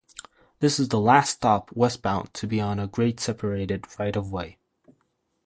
This is the last stop westbound to be on a grade-separated right-of-way.